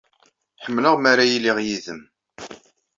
Ḥemmleɣ mi ara iliɣ yid-m.